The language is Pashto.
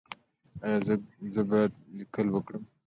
ایا زه باید لیکل وکړم؟